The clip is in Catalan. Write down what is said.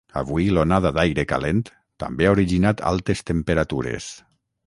Avui l’onada d’aire calent també ha originat altes temperatures.